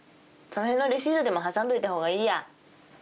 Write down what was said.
その辺のレシートでも挟んどいた方がいいや。